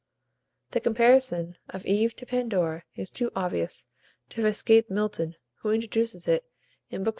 The comparison of Eve to Pandora is too obvious to have escaped Milton, who introduces it in Book IV.